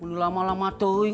udah lama lama tuh